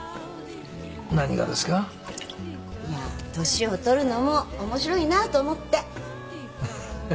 年を取るのも面白いなぁと思って。